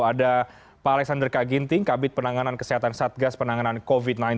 ada pak alexander kaginting kabit penanganan kesehatan satgas penanganan covid sembilan belas